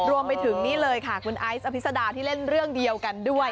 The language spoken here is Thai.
รวมไปถึงนี่เลยค่ะคุณไอซ์อภิษดาที่เล่นเรื่องเดียวกันด้วย